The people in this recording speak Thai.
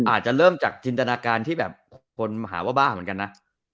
อาจจะเริ่มจากจินตนาการที่คนมีคุณภาวาวะบ้าเหมือนกันน่ะ